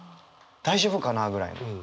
大丈夫かな？ぐらいの。